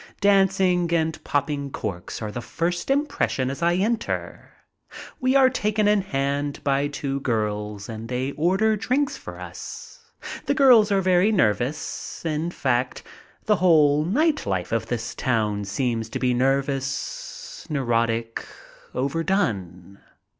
Dancing and popping corks are the first impression as I enter. We are taken in hand by two girls and they order drinks for us. The girls are very nervous. In fact, the whole night life of this town seems to be nervous, neurotic, over done.